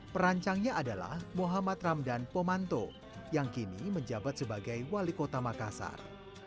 perancangnya adalah muhammad ramdan pomanto yang kini menjabat sebagai wali kota makassar